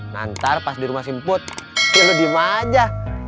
nanti pas di rumah si emput ya lu dihima aja